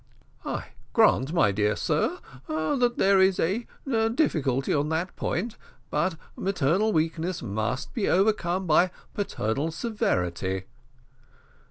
"I grant, my dear sir, that there is a difficulty on that point; but maternal weakness must then be overcome by paternal severity."